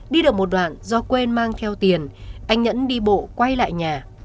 đi được một đoạn do quên mang theo tiền anh nhẫn đi bộ quay lại nhà